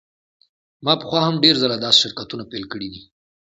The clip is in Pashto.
ما پخوا هم ډیر ځله داسې شرکتونه پیل کړي دي